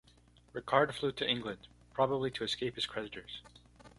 Ricard flew to England, probably to escape his creditors.